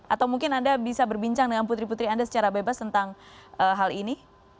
atau mungkin anda bisa berbincang dengan putri putri anda secara bebas tentang hal ini